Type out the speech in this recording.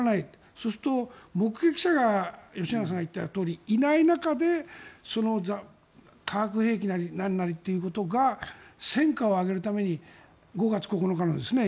そうすると、目撃者が吉永さんが言ったとおりいない中で化学兵器なりなんなりということが戦果を上げるために５月９日なんですね。